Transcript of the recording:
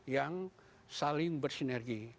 yang saling bersinergi